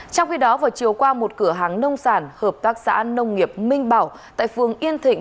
trong khi đó vào chiều qua một cửa hàng nông sản hợp tác xã nông nghiệp minh bảo tại phường yên thịnh